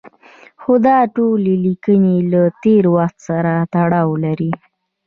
خو دا ټولې لیکنې له تېر وخت سره تړاو لري.